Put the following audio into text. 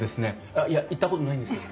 あっいや行ったことないんですけど。